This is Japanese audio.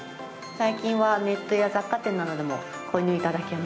最近はネットや雑貨店などでも購入いただけますね。